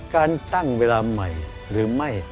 การตั้งเวลาใหม่หรือไม่